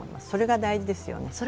それが大事ですよね。